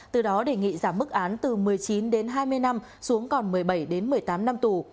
từ đó đề nghị giảm mức án từ một mươi chín đến hai mươi năm xuống còn một mươi bảy đến một mươi tám năm tù